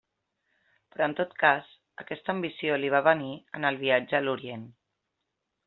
Però en tot cas aquesta ambició li va venir en el viatge a l'Orient.